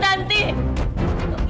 kamu bisa selangis